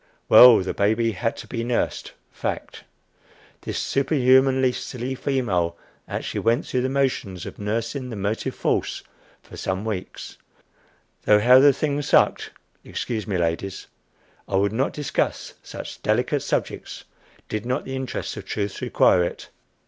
Well, the baby had to be nursed fact! This superhumanly silly female actually went through the motions of nursing the motive force for some weeks. Though how the thing sucked Excuse me, ladies; I would not discuss such delicate subjects did not the interests of truth require it.